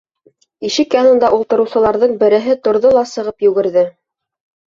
Ишек янында ултырыусыларҙың береһе торҙо ла сығып йүгерҙе.